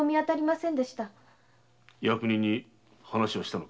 役人に話はしたのか？